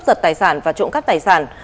giật tài sản và trộm cắp tài sản